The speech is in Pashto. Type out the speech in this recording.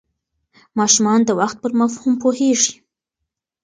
ماشومان د وخت پر مفهوم پوهېږي.